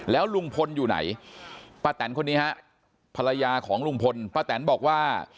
แล้วลุงพลอยู่ไหนป้าแตนคนนี้ฮะภรรยาของลุงพลป้าแตนบอกว่า